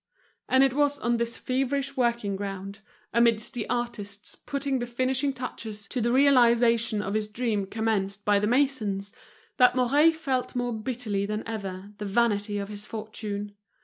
And it was on this feverish working ground, amidst the artists putting the finishing touches to the realization of his dream commenced by the masons, that Mouret felt more bitterly than ever the vanity of his fortune.